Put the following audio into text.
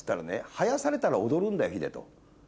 囃されたら踊るんだよヒデ」と。